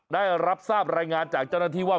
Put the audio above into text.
ได้รับทราบรายงานจากเจ้าหน้าที่ว่า